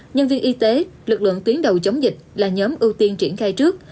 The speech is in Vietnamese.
nhân viên y tế lực lượng tuyến đầu chống dịch là nhóm ưu tiên triển khai trước